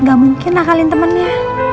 nggak mungkin nakalin temannya